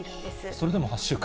それでも８週間。